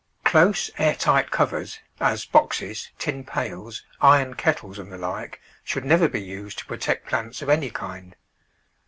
Close, air tight covers, as boxes, tin pails, iron kettles, and the like, should never be used to protect plants of any kind.